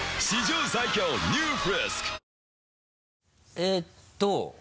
えっと